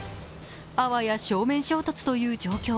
あわや正面衝突という状況。